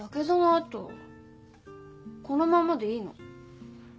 このままでいいの。